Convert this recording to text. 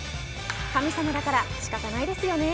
神様だから仕方ないですよね。